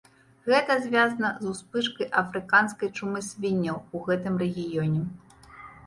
Гэта звязана з успышкай афрыканскай чумы свінняў у гэтым рэгіёне.